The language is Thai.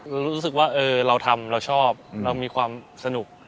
รู้สึกว่าเราทำเราชอบเรามีความสนุก